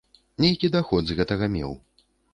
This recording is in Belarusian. Нейкі даход з гэтага меў.